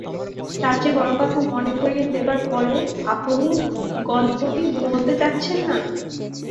তার চেয়ে বড় কথা মনে করিয়ে দেবার পরেও আপুনি গল্পটি বলতে চাচ্ছেন না।